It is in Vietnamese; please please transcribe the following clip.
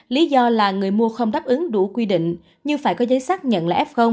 lý do là người mua không đáp ứng đủ quy định như phải có giấy xác nhận là f